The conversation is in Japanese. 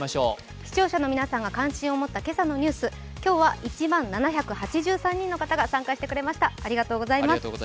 視聴者の皆さんが関心を持った今朝のニュース、今日は１万７８３人が参加してくださいました、ありがとうございます。